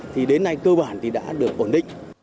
thì đến nay cơ bản đã được bổn định